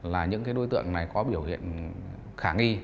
là những đối tượng này có biểu hiện khả nghi